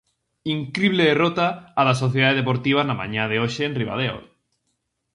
Incrible derrota a da Sociedade Deportiva na mañá de hoxe en Ribadeo.